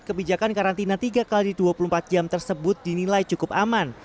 kebijakan karantina tiga x dua puluh empat jam tersebut dinilai cukup aman